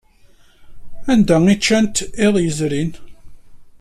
Anda ay ččant iḍ yezrin?